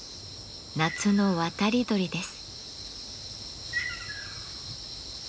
夏の渡り鳥です。